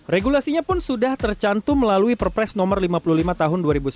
regulasinya pun sudah tercantum melalui perpres nomor lima puluh lima tahun dua ribu sembilan belas